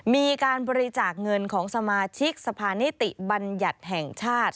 มีการบริจาคเงินของสมาชิกสภานิติบัญญัติแห่งชาติ